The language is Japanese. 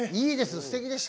すてきでした。